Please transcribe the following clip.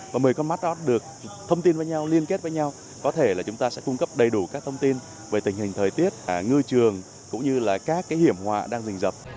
và một mươi con mắt đó được thông tin với nhau liên kết với nhau có thể là chúng ta sẽ cung cấp đầy đủ các thông tin về tình hình thời tiết ngư trường cũng như là các cái hiểm họa đang dình dập